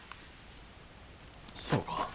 そうか。